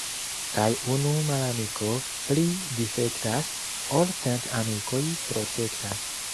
Kaj unu malamiko pli difektas, ol cent amikoj protektas.